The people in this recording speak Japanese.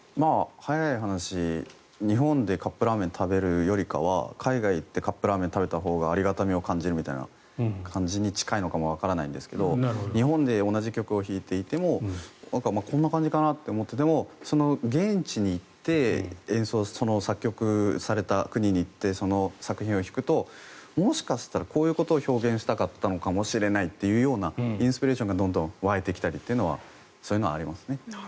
早い話、日本でカップラーメンを食べるよりかは海外に行ってカップラーメンを食べたほうがありがたみを感じるみたいな感じに近いのかもわからないんですが日本で同じ曲を弾いていてもこんな感じかなと思ってその現地に行って作曲された国に行ってその作品を弾くともしかしたらこういうことを表現したかったのかもしれないというようなインスピレーションがどんどん湧いてきたりとかそういうのはありますね。